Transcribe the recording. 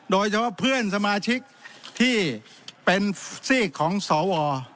โดยเฉพาะเพื่อนสมาชิกที่เป็นซีกของสว